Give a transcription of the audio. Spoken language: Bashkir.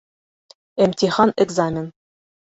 Имтихан экзамен